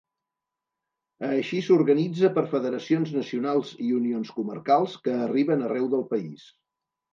Així s'organitza per Federacions Nacionals i Unions Comarcals, que arriben arreu del país.